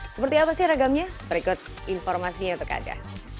seperti apa sih ragamnya berikut informasinya untuk anda